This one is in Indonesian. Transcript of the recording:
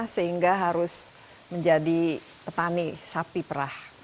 sehingga harus menjadi petani sapi perah